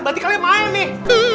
berarti kalian mahal nih